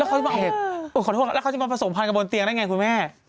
แล้วเขาจะมาผสมภัณฑ์กับบนเตียงได้ไงคุณแม่